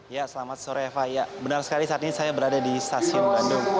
ya selamat sore eva ya benar sekali saat ini saya berada di stasiun bandung